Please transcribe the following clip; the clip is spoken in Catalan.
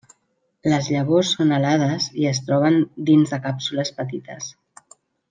Les llavors són alades i es troben dins de càpsules petites.